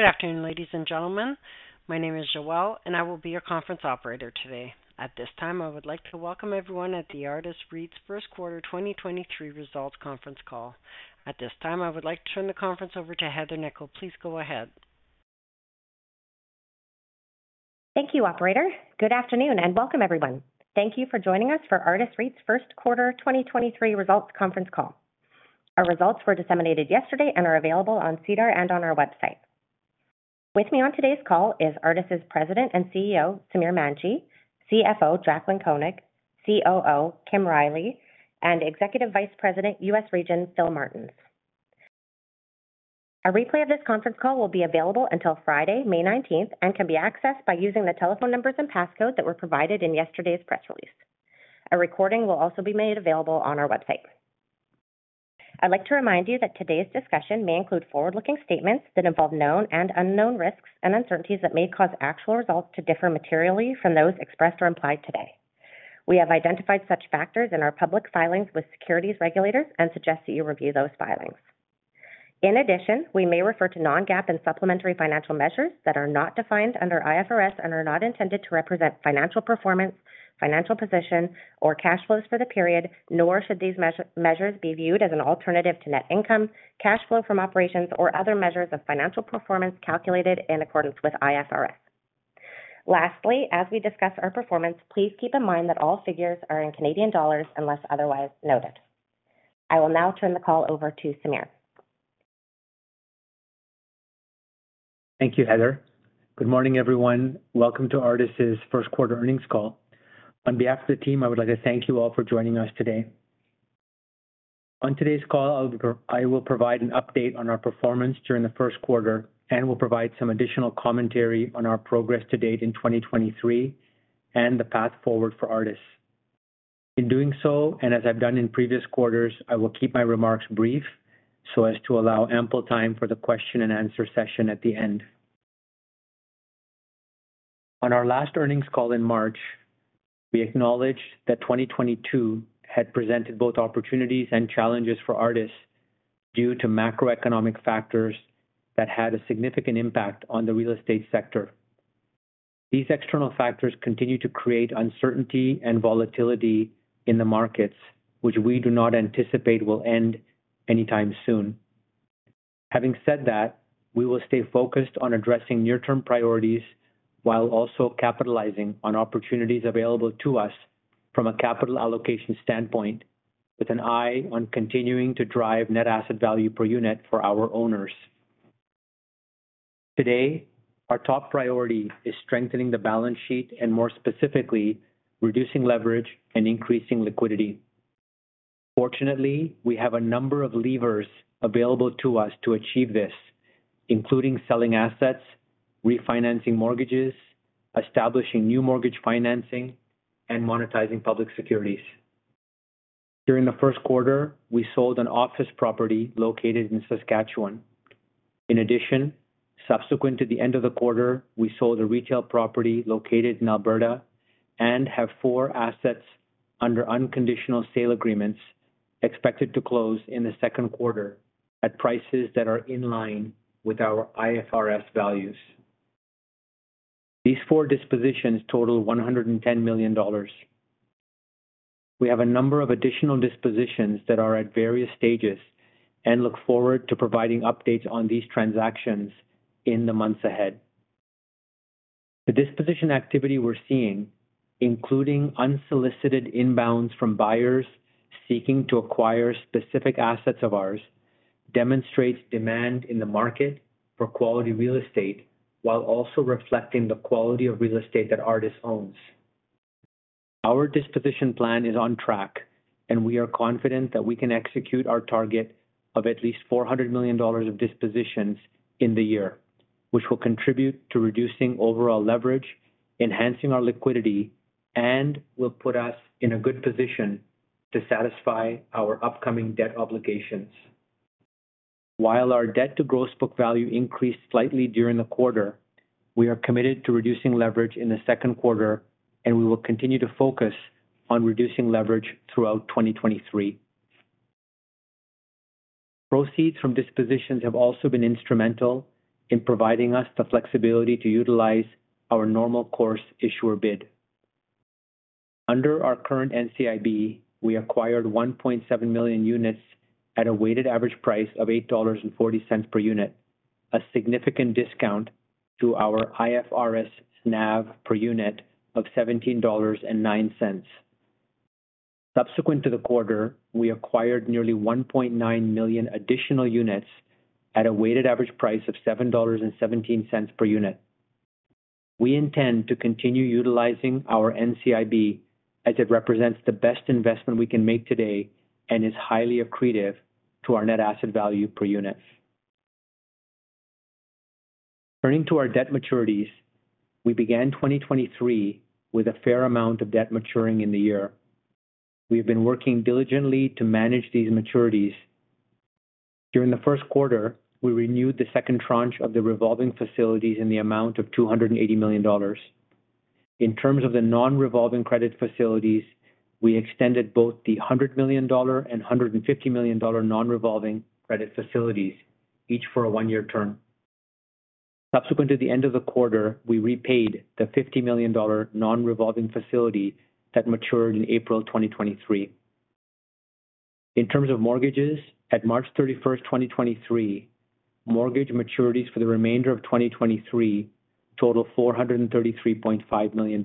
Good afternoon, ladies and gentlemen. My name is Joelle, and I will be your conference operator today. At this time, I would like to welcome everyone at the Artis REIT's Q1 2023 results conference call. At this time, I would like to turn the conference over to Heather Nikkel. Please go ahead. Thank you, operator. Good afternoon, welcome everyone. Thank you for joining us for Artis REIT's 1st quarter 2023 results conference call. Our results were disseminated yesterday and are available on SEDAR and on our website. With me on today's call is Artis' President and CEO, Samir Manji, CFO Jaclyn Koenig, COO Kim Riley, and Executive Vice President, U.S. Region, Philip Martens. A replay of this conference call will be available until Friday, May 19th, and can be accessed by using the telephone numbers and passcodes that were provided in yesterday's press release. A recording will also be made available on our website. I'd like to remind you that today's discussion may include forward-looking statements that involve known and unknown risks and uncertainties that may cause actual results to differ materially from those expressed or implied today. We have identified such factors in our public filings with securities regulators and suggest that you review those filings. In addition, we may refer to non-GAAP and supplementary financial measures that are not defined under IFRS and are not intended to represent financial performance, financial position, or cash flows for the period, nor should these measures be viewed as an alternative to net income, cash flow from operations or other measures of financial performance calculated in accordance with IFRS. Lastly, as we discuss our performance, please keep in mind that all figures are in Canadian dollars unless otherwise noted. I will now turn the call over to Samir. Thank you, Heather. Good morning, everyone. Welcome to Artis' Q1 earnings call. On behalf of the team, I would like to thank you all for joining us today. On today's call, I will provide an update on our performance during the Q1 and will provide some additional commentary on our progress to date in 2023 and the path forward for Artis. In doing so, as I've done in previous quarters, I will keep my remarks brief so as to allow ample time for the question and answer session at the end. On our last earnings call in March, we acknowledged that 2022 had presented both opportunities and challenges for Artis due to macroeconomic factors that had a significant impact on the real estate sector. These external factors continue to create uncertainty and volatility in the markets, which we do not anticipate will end anytime soon. Having said that, we will stay focused on addressing near-term priorities while also capitalizing on opportunities available to us from a capital allocation standpoint, with an eye on continuing to drive net asset value per unit for our owners. Today, our top priority is strengthening the balance sheet and more specifically, reducing leverage and increasing liquidity. Fortunately, we have a number of levers available to us to achieve this, including selling assets, refinancing mortgages, establishing new mortgage financing, and monetizing public securities. During the Q1, we sold an office property located in Saskatchewan. In addition, subsequent to the end of the quarter, we sold a retail property located in Alberta and have four assets under unconditional sale agreements expected to close in the Q2 at prices that are in line with our IFRS values. These four dispositions total 110 million dollars. We have a number of additional dispositions that are at various stages and look forward to providing updates on these transactions in the months ahead. The disposition activity we're seeing, including unsolicited inbounds from buyers seeking to acquire specific assets of ours, demonstrates demand in the market for quality real estate while also reflecting the quality of real estate that Artis owns. Our disposition plan is on track, and we are confident that we can execute our target of at least $400 million of dispositions in the year, which will contribute to reducing overall leverage, enhancing our liquidity, and will put us in a good position to satisfy our upcoming debt obligations. While our debt to gross book value increased slightly during the quarter, we are committed to reducing leverage in the Q2, and we will continue to focus on reducing leverage throughout 2023. Proceeds from dispositions have also been instrumental in providing us the flexibility to utilize our normal course issuer bid. Under our current NCIB, we acquired 1.7 million units at a weighted average price of $8.40 per unit, a significant discount to our IFRS NAV per unit of $17.09. Subsequent to the quarter, we acquired nearly 1.9 million additional units at a weighted average price of 7.17 dollars per unit. We intend to continue utilizing our NCIB as it represents the best investment we can make today and is highly accretive to our net asset value per unit. Turning to our debt maturities, we began 2023 with a fair amount of debt maturing in the year. We have been working diligently to manage these maturities. During the Q1, we renewed the second tranche of the revolving facilities in the amount of 280 million dollars. In terms of the non-revolving credit facilities, we extended both the 100 million dollar and 150 million dollar non-revolving credit facilities, each for a one-year term. Subsequent to the end of the quarter, we repaid the CAD $50 million non-revolving facility that matured in April 2023. In terms of mortgages, at March 31, 2023, mortgage maturities for the remainder of 2023 total CAD $433.5 million.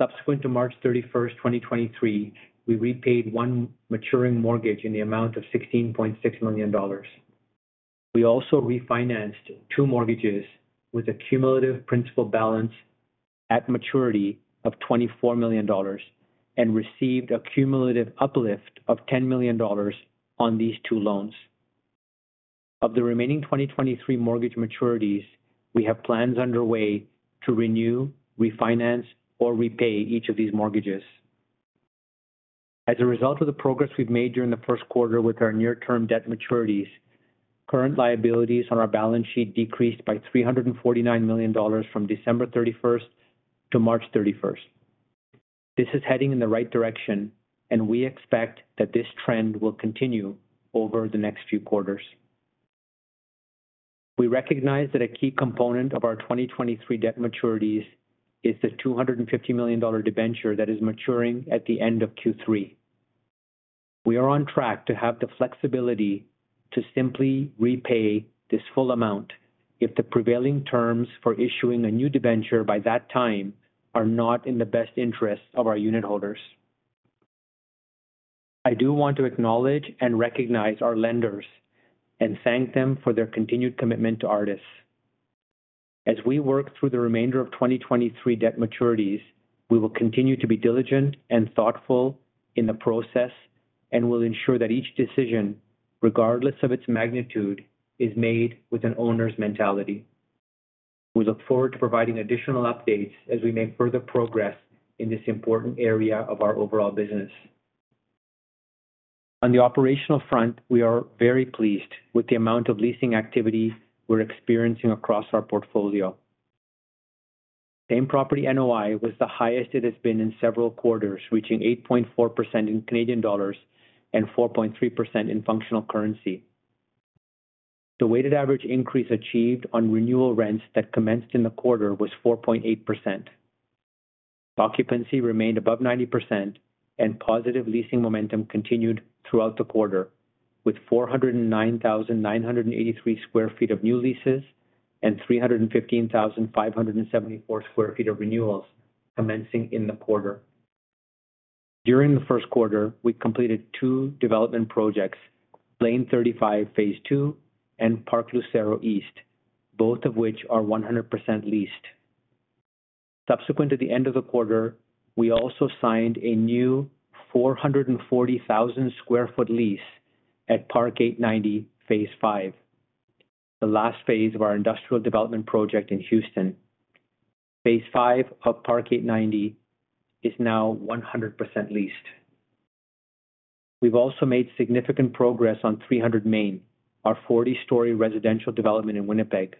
Subsequent to March 31, 2023, we repaid one maturing mortgage in the amount of CAD $16.6 million. We also refinanced two mortgages with a cumulative principal balance at maturity of CAD $24 million and received a cumulative uplift of CAD $10 million on these two loans. Of the remaining 2023 mortgage maturities, we have plans underway to renew, refinance, or repay each of these mortgages. As a result of the progress we've made during the Q1 with our near term debt maturities, current liabilities on our balance sheet decreased by 349 million dollars from December 31st to March 31st. This is heading in the right direction, and we expect that this trend will continue over the next few quarters. We recognize that a key component of our 2023 debt maturities is the 250 million dollar debenture that is maturing at the end of Q3. We are on track to have the flexibility to simply repay this full amount if the prevailing terms for issuing a new debenture by that time are not in the best interest of our unitholders. I do want to acknowledge and recognize our lenders and thank them for their continued commitment to Artis. As we work through the remainder of 2023 debt maturities, we will continue to be diligent and thoughtful in the process and will ensure that each decision, regardless of its magnitude, is made with an owner's mentality. We look forward to providing additional updates as we make further progress in this important area of our overall business. On the operational front, we are very pleased with the amount of leasing activity we're experiencing across our portfolio. Same property NOI was the highest it has been in several quarters, reaching 8.4% in Canadian dollars and 4.3% in functional currency. The weighted average increase achieved on renewal rents that commenced in the quarter was 4.8%. Occupancy remained above 90% and positive leasing momentum continued throughout the quarter with 409,983 sq ft of new leases and 315,574 sq ft of renewals commencing in the quarter. During the Q1, we completed two development projects, Blaine 35 II and Park Lucero East, both of which are 100% leased. Subsequent to the end of the quarter, we also signed a new 440,000 sq ft lease at Park 890, phase v, the last phase of our industrial development project in Houston. Phase v of Park 890 is now 100% leased. We've also made significant progress on 300 Main, our 40-story residential development in Winnipeg.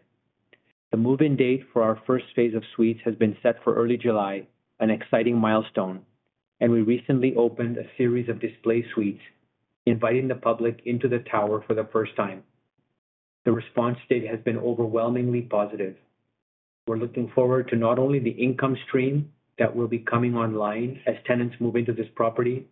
The move-in date for our first phase of suites has been set for early July, an exciting milestone, and we recently opened a series of display suites inviting the public into the tower for the first time. The response to it has been overwhelmingly positive. We're looking forward to not only the income stream that will be coming online as tenants move into this property,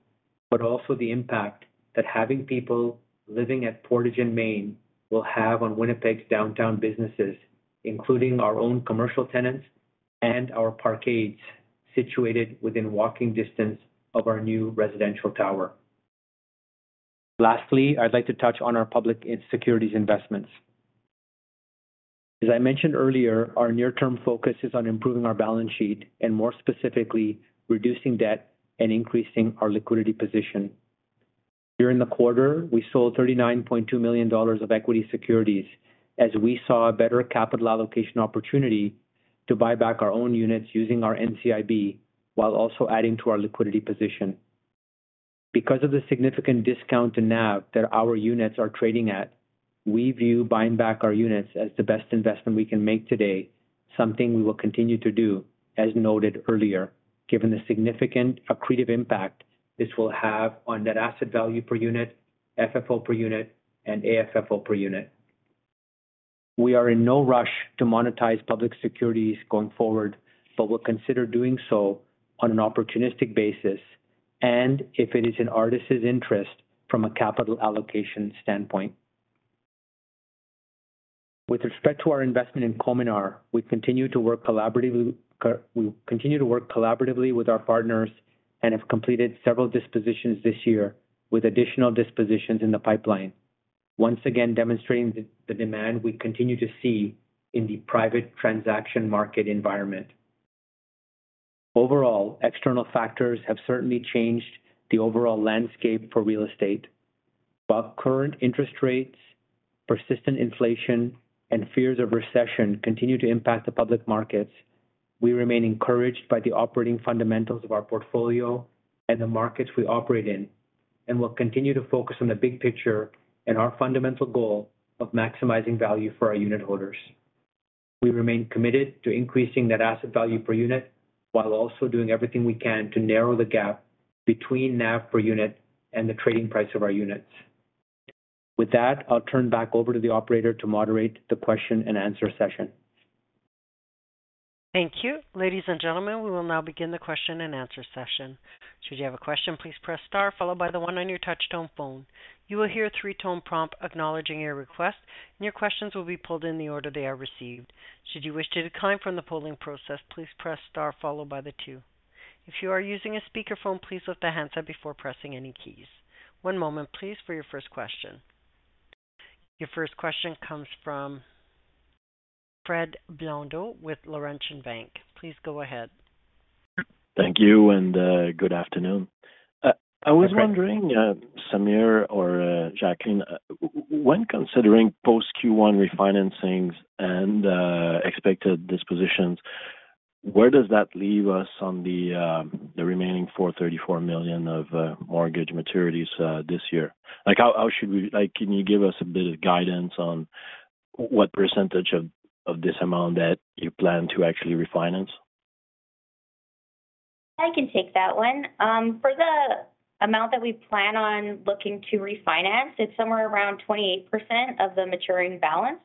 but also the impact that having people living at Portage and Main will have on Winnipeg's downtown businesses, including our own commercial tenants and our parkades situated within walking distance of our new residential tower. Lastly, I'd like to touch on our public and securities investments. As I mentioned earlier, our near-term focus is on improving our balance sheet and, more specifically, reducing debt and increasing our liquidity position. During the quarter, we sold 39.2 million dollars of equity securities as we saw a better capital allocation opportunity to buy back our own units using our NCIB while also adding to our liquidity position. Because of the significant discount to NAV that our units are trading at, we view buying back our units as the best investment we can make today, something we will continue to do, as noted earlier, given the significant accretive impact this will have on net asset value per unit, FFO per unit, and AFFO per unit. We are in no rush to monetize public securities going forward, but will consider doing so on an opportunistic basis and if it is in Artis' interest from a capital allocation standpoint. With respect to our investment in Cominar, we continue to work collaboratively with our partners and have completed several dispositions this year with additional dispositions in the pipeline. Once again demonstrating the demand we continue to see in the private transaction market environment. Overall, external factors have certainly changed the overall landscape for real estate. While current interest rates, persistent inflation, and fears of recession continue to impact the public markets, we remain encouraged by the operating fundamentals of our portfolio and the markets we operate in. We'll continue to focus on the big picture and our fundamental goal of maximizing value for our unitholders. We remain committed to increasing net asset value per unit while also doing everything we can to narrow the gap between NAV per unit and the trading price of our units. With that, I'll turn back over to the operator to moderate the question and answer session. Thank you. Ladies and gentlemen, we will now begin the question and answer session. Should you have a question, please press star followed by the one on your touch-tone phone. You will hear three-tone prompt acknowledging your request, and your questions will be pulled in the order they are received. Should you wish to decline from the polling process, please press star followed by the two. If you are using a speakerphone, please lift the handset before pressing any keys. One moment please, for your first question. Your first question comes from Fred Blondeau with Laurentian Bank. Please go ahead. Thank you, good afternoon. I was wondering, Samir or Jacqueline, when considering post Q1 refinancings and expected dispositions, where does that leave us on the remaining 434 million of mortgage maturities this year? Can you give us a bit of guidance on what percentage of this amount that you plan to actually refinance? I can take that one. For the amount that we plan on looking to refinance, it's somewhere around 28% of the maturing balance-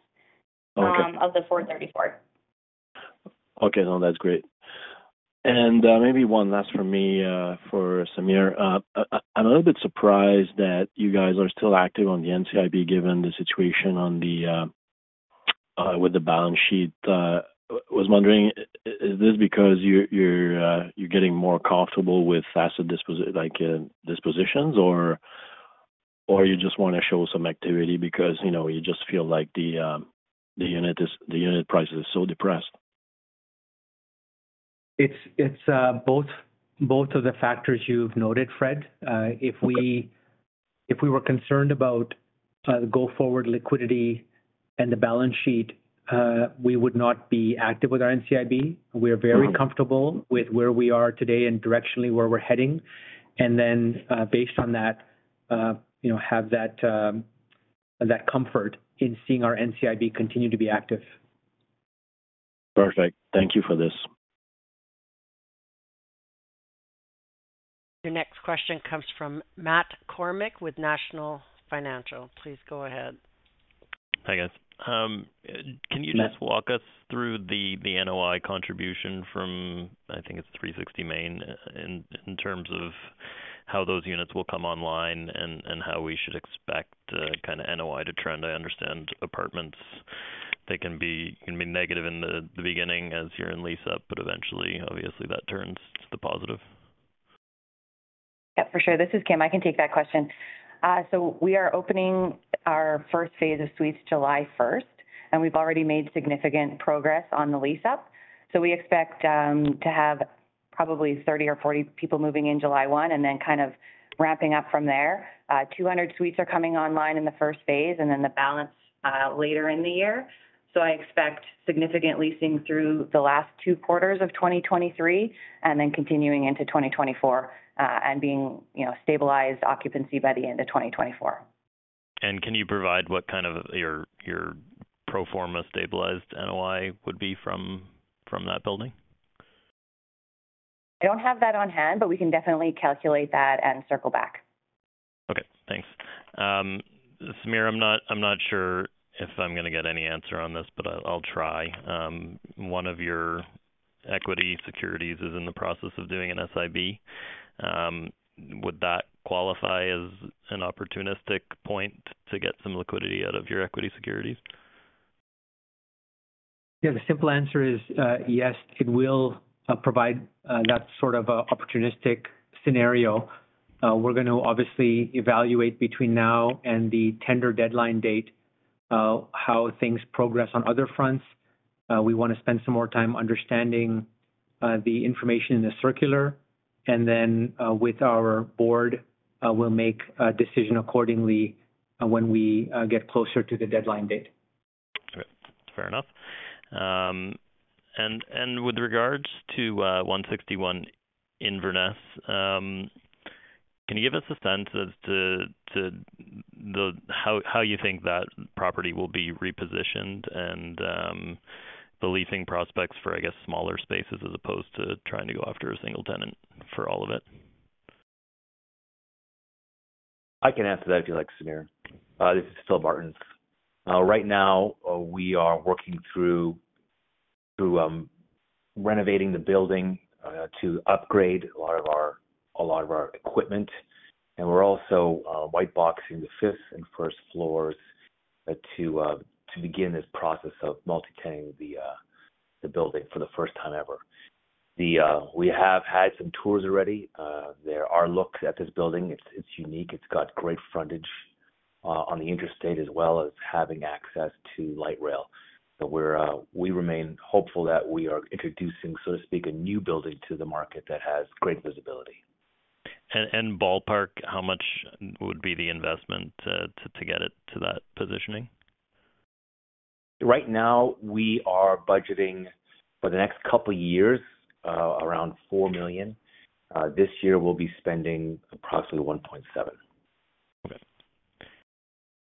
Okay Of the 434. Okay. No, that's great. Maybe one last from me for Samir. I'm a little bit surprised that you guys are still active on the NCIB, given the situation on the balance sheet. Was wondering, is this because you're getting more comfortable with asset like dispositions or you just wanna show some activity because, you know, you just feel like the unit price is so depressed? It's both of the factors you've noted, Fred. Okay If we were concerned about, go forward liquidity and the balance sheet, we would not be active with our NCIB. We are very comfortable with where we are today and directionally where we're heading. Based on that, you know, have that comfort in seeing our NCIB continue to be active. Perfect. Thank you for this. Your next question comes from Matt Kornack with National Financial. Please go ahead. Hi, guys. Can you just walk us through the NOI contribution from, I think it's 360 Main in terms of how those units will come online and how we should expect, kind of NOI to trend. I understand apartments they can be negative in the beginning as you're in lease-up, but eventually obviously that turns to the positive. Yeah, for sure. This is Kim. I can take that question. We are opening our first phase of suites July 1st, we've already made significant progress on the lease-up. We expect to have probably 30 or 40 people moving in July 1 ramping up from there. 200 suites are coming online in the first phase the balance later in the year. I expect significant leasing through the last two quarters of 2023 continuing into 2024, and being, you know, stabilized occupancy by the end of 2024. Can you provide what kind of your pro forma stabilized NOI would be from that building? I don't have that on hand, but we can definitely calculate that and circle back. Okay, thanks. Samir, I'm not, I'm not sure if I'm gonna get any answer on this, but I'll try. One of your equity securities is in the process of doing an SIB. Would that qualify as an opportunistic point to get some liquidity out of your equity securities? Yeah. The simple answer is, yes, it will provide that sort of opportunistic scenario. We're gonna obviously evaluate between now and the tender deadline date, how things progress on other fronts. We wanna spend some more time understanding the information in the circular. Then, with our board, we'll make a decision accordingly when we get closer to the deadline date. Okay. Fair enough. With regards to 161 Inverness, can you give us a sense as to how you think that property will be repositioned and the leasing prospects for, I guess, smaller spaces as opposed to trying to go after a single tenant for all of it? I can answer that if you like, Samir. This is Philip Martens. Right now, we are working through to renovating the building to upgrade a lot of our, a lot of our equipment. We're also white boxing the fifth and first floors to begin this process of multi-tenanting the building for the first time ever. We have had some tours already. There are looks at this building. It's unique. It's got great frontage on the interstate, as well as having access to light rail. We remain hopeful that we are introducing, so to speak, a new building to the market that has great visibility. Ballpark, how much would be the investment to get it to that positioning? Right now we are budgeting for the next couple years, around 4 million. This year we'll be spending approximately 1.7 million. Okay.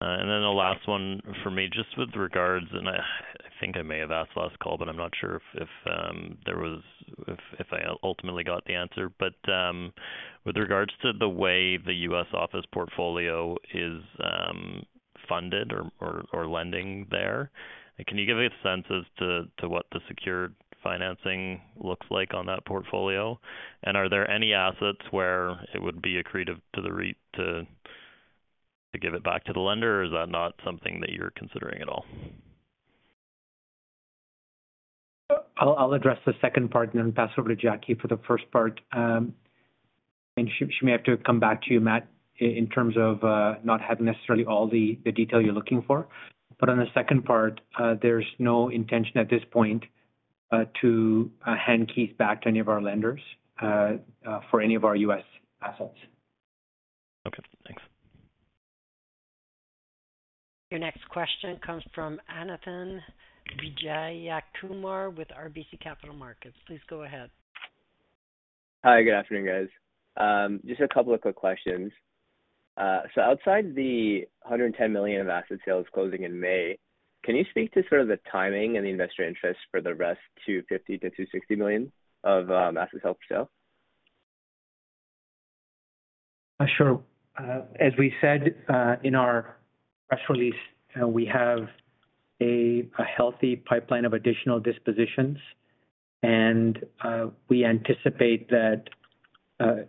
Then the last one for me, just with regards, and I think I may have asked last call, but I'm not sure if I ultimately got the answer. With regards to the way the U.S. office portfolio is funded or lending there, can you give a sense as to what the secured financing looks like on that portfolio? Are there any assets where it would be accretive to the REIT to give it back to the lender? Is that not something that you're considering at all? I'll address the second part and then pass over to Jackie for the first part. She may have to come back to you, Matt, in terms of not having necessarily all the detail you're looking for. On the second part, there's no intention at this point to hand keys back to any of our lenders for any of our U.S. assets. Okay, thanks. Your next question comes from Ananthan Vijayakumar with RBC Capital Markets. Please go ahead. Hi, good afternoon, guys. Just a couple of quick questions. Outside the 110 million of asset sales closing in May, can you speak to sort of the timing and the investor interest for the rest 250 million-260 million of asset sales? Sure. As we said, in our press release, we have a healthy pipeline of additional dispositions, and we anticipate that,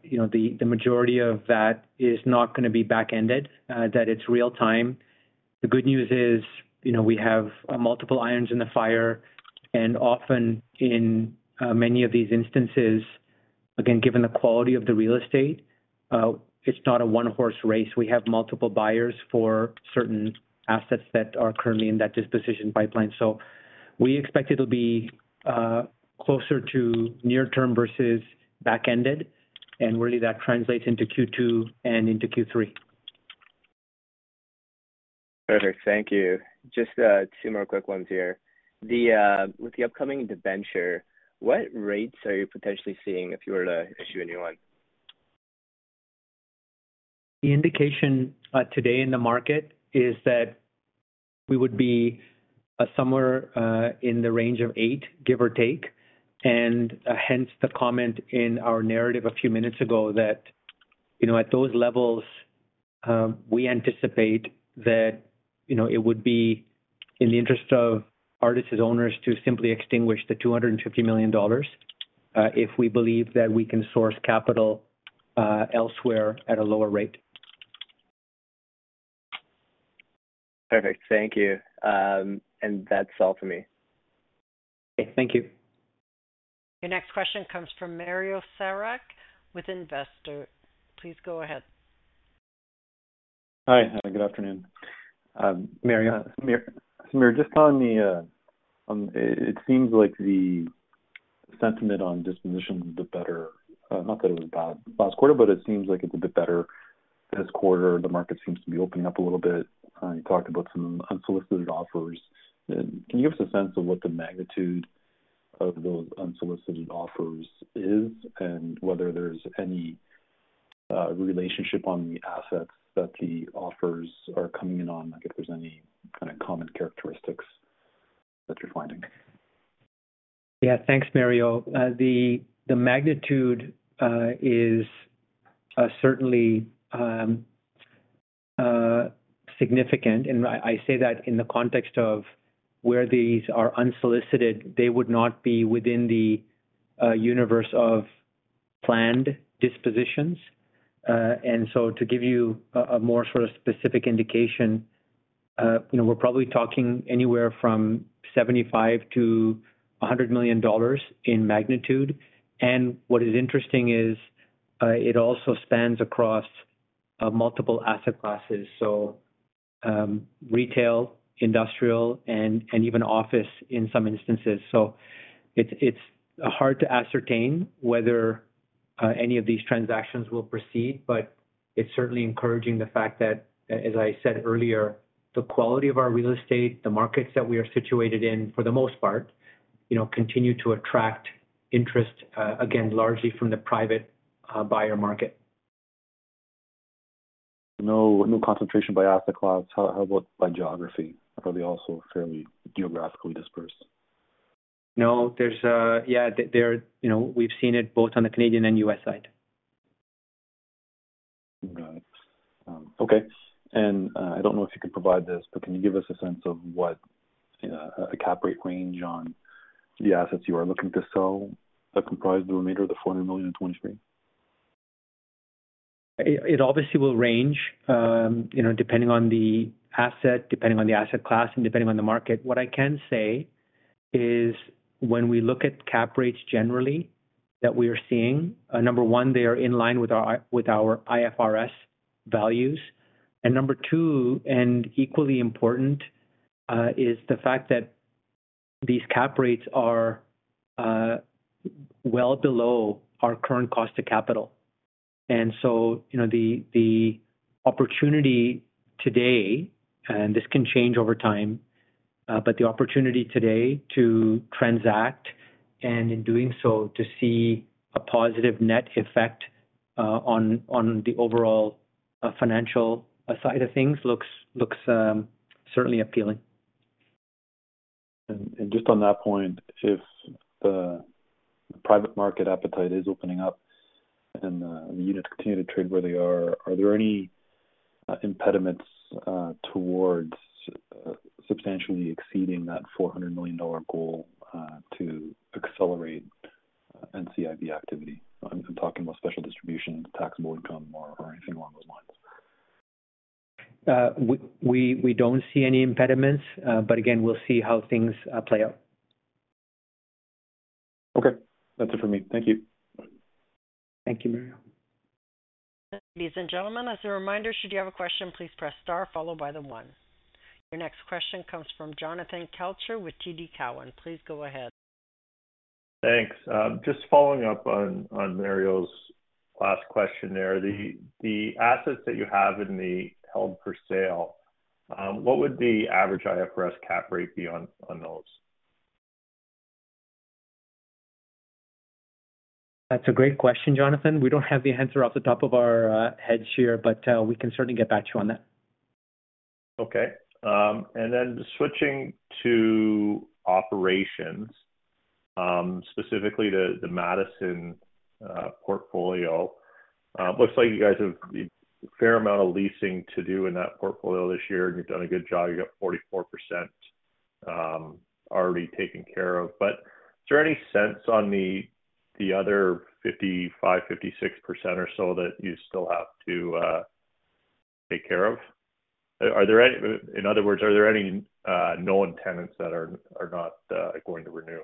you know, the majority of that is not gonna be back-ended, that it's real-time. The good news is, you know, we have multiple irons in the fire, and often in many of these instances, again, given the quality of the real estate, it's not a one-horse race. We have multiple buyers for certain assets that are currently in that disposition pipeline. We expect it'll be closer to near term versus back-ended, and really that translates into Q2 and into Q3. Perfect. Thank you. Just two more quick ones here. With the upcoming debenture, what rates are you potentially seeing if you were to issue a new one? The indication today in the market is that we would be somewhere in the range of 8%, give or take. Hence the comment in our narrative a few minutes ago that, you know, at those levels, we anticipate that, you know, it would be in the interest of Artis' owners to simply extinguish the 250 million dollars, if we believe that we can source capital elsewhere at a lower rate. Perfect. Thank you. That's all for me. Okay. Thank you. Your next question comes from Mario Saric with Scotiabank. Please go ahead. Hi. Hi, good afternoon. Samir, just on the, it seems like the sentiment on disposition was a bit better. Not that it was bad last quarter, but it seems like it's a bit better this quarter. The market seems to be opening up a little bit. You talked about some unsolicited offers. Can you give us a sense of what the magnitude of those unsolicited offers is, and whether there's any relationship on the assets that the offers are coming in on? Like if there's any kind of common characteristics that you're finding. Yeah. Thanks, Mario. The magnitude is certainly significant, and I say that in the context of where these are unsolicited, they would not be within the universe of planned dispositions. To give you a more sort of specific indication, you know, we're probably talking anywhere from $75 million-$100 million in magnitude. What is interesting is it also spans across multiple asset classes, so retail, industrial, and even office in some instances. It's, it's hard to ascertain whether any of these transactions will proceed, but it's certainly encouraging the fact that, as I said earlier, the quality of our real estate, the markets that we are situated in, for the most part, you know, continue to attract interest, again, largely from the private buyer market. No, no concentration by asset class. How about by geography? Probably also fairly geographically dispersed. No. Yeah. You know, we've seen it both on the Canadian and U.S. side. Got it. Okay. I don't know if you can provide this, but can you give us a sense of what a cap rate range on the assets you are looking to sell that comprise the remainder of the 400 million in 2023? It obviously will range, you know, depending on the asset, depending on the asset class, and depending on the market. What I can say is when we look at cap rates generally that we are seeing, number one, they are in line with our, with our IFRS values. Number two, and equally important, is the fact that these cap rates are well below our current cost to capital. You know, the opportunity today, and this can change over time, but the opportunity today to transact, and in doing so, to see a positive net effect, on the overall, financial side of things looks, certainly appealing. Just on that point, if the private market appetite is opening up and the units continue to trade where they are there any impediments towards substantially exceeding that 400 million dollar goal to accelerate NCIB activity? I'm talking about special distributions, taxable income or anything along those lines. We don't see any impediments. Again, we'll see how things play out. Okay. That's it for me. Thank you. Thank you, Mario. Ladies and gentlemen, as a reminder, should you have a question, please press star followed by the one. Your next question comes from Jonathan Kelcher with TD Cowen. Please go ahead. Thanks. Just following up on Mario's last question there. The assets that you have in the held for sale, what would the average IFRS cap rate be on those? That's a great question, Jonathan Kelcher. We don't have the answer off the top of our heads here, but we can certainly get back to you on that. Okay. Switching to operations, specifically the Madison portfolio. Looks like you guys have a fair amount of leasing to do in that portfolio this year, and you've done a good job. You got 44% already taken care of. Is there any sense on the other 55%-56% or so that you still have to take care of? In other words, are there any known tenants that are not going to renew?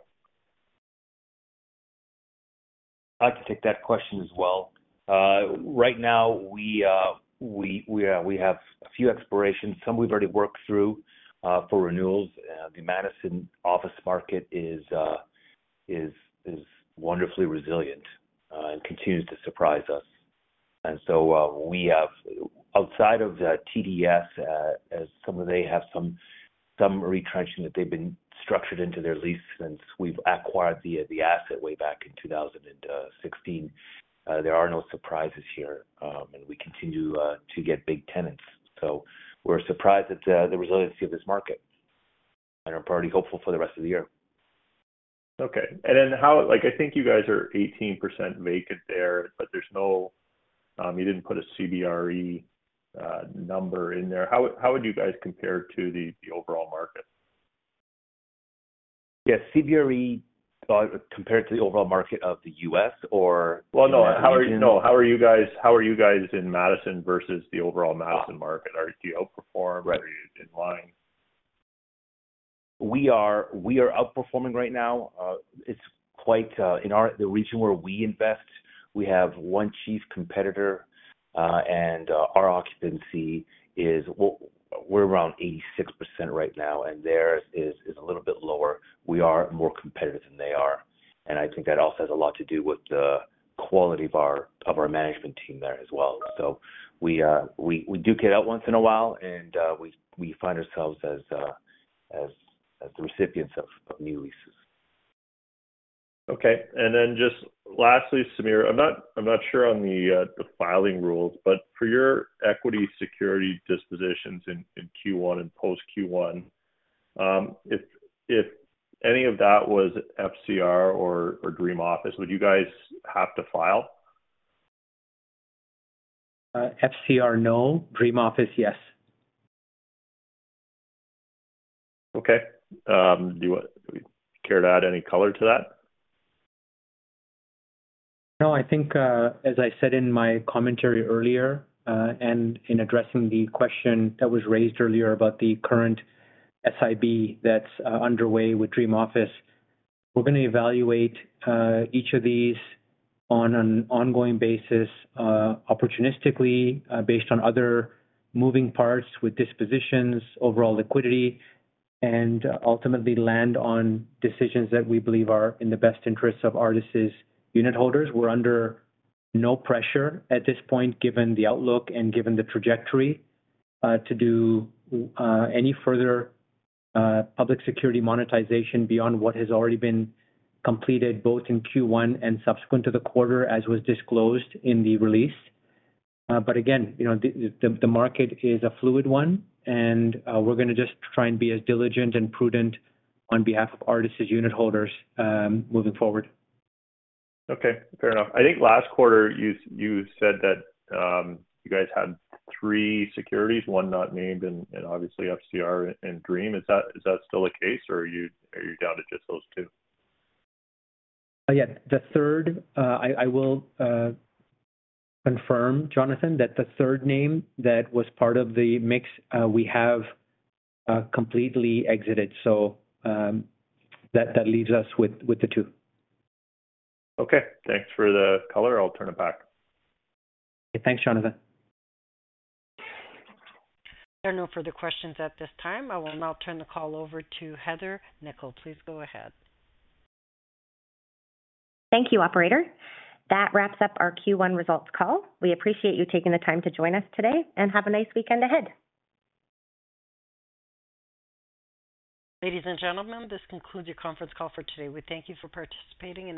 I can take that question as well. Right now we have a few expirations, some we've already worked through for renewals. The Madison office market is wonderfully resilient and continues to surprise us. We have outside of TDS, as some of they have some retrenching that they've been structured into their lease since we've acquired the asset way back in 2016, there are no surprises here. We continue to get big tenants. We're surprised at the resiliency of this market, and I'm pretty hopeful for the rest of the year. Okay. Like, I think you guys are 18% vacant there, but there's no. You didn't put a CBRE number in there. How would you guys compare to the overall market? Yes. CBRE, compared to the overall market of the U.S. or- No. No, how are you guys in Madison versus the overall Madison market? Do you outperform? Right. Are you in line? We are outperforming right now. It's quite in our the region where we invest, we have one chief competitor, and our occupancy is we're around 86% right now, and theirs is a little bit lower. We are more competitive than they are, and I think that also has a lot to do with the quality of our, of our management team there as well. We do get out once in a while, and we find ourselves as the recipients of new leases. Okay. Just lastly, Samir, I'm not, I'm not sure on the filing rules, but for your equity security dispositions in Q1 and post Q1, if any of that was FCR or Dream Office, would you guys have to file? FCR, no. Dream Office, yes. Okay. Do you care to add any color to that? No, I think, as I said in my commentary earlier, and in addressing the question that was raised earlier about the current SIB that's underway with Dream Office, we're gonna evaluate each of these on an ongoing basis, opportunistically, based on other moving parts with dispositions, overall liquidity, and ultimately land on decisions that we believe are in the best interest of Artis' unit holders. We're under no pressure at this point, given the outlook and given the trajectory, to do any further public security monetization beyond what has already been completed, both in Q1 and subsequent to the quarter, as was disclosed in the release. Again, you know, the market is a fluid one, and we're gonna just try and be as diligent and prudent on behalf of Artis' unit holders, moving forward. Okay. Fair enough. I think last quarter you said that you guys had three securities, one not named, and obviously FCR and Dream. Is that still the case, or are you down to just those two? Yeah. The third, I will confirm, Jonathan, that the third name that was part of the mix, we have completely exited. That leaves us with the two. Okay. Thanks for the color. I'll turn it back. Thanks, Jonathan. There are no further questions at this time. I will now turn the call over to Heather Nikkel. Please go ahead. Thank you, operator. That wraps up our Q1 results call. We appreciate you taking the time to join us today. Have a nice weekend ahead. Ladies and gentlemen, this concludes your conference call for today. We thank you for participating.